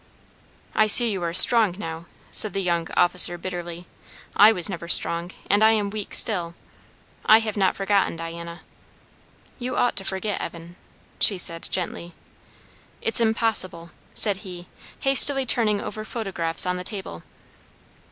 "I see you are strong now," said the young officer bitterly. "I was never strong; and I am weak still. I have not forgotten, Diana." "You ought to forget, Evan," she said gently. "It's impossible!" said he, hastily turning over photographs on the table.